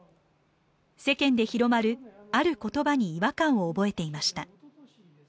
世間で広まる、ある言葉に違和感を覚えていました。